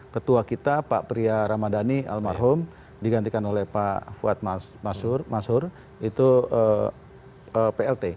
ketua kita pak pria ramadhani almarhum digantikan oleh pak fuad masur itu plt